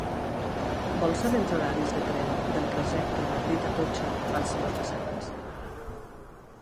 Vol saber els horaris de tren del trajecte Madrid Atocha - Barcelona Sants?